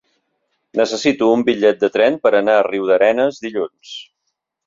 Necessito un bitllet de tren per anar a Riudarenes dilluns.